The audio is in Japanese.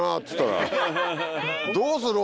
どうする？